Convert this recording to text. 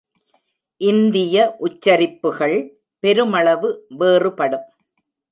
இந்திய உச்சரிப்புகள் பெருமளவு வேறுபடும்.